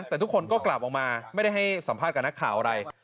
แต่ทุกคนก็กลับออกมาไม่ได้ให้สัมภาษณ์กับนักข่าวอะไร